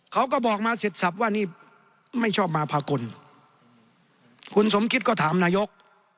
เขาก็บอกมาเสร็จสับว่านี่ไม่ชอบมาพากลคุณสมคิดก็ถามนายก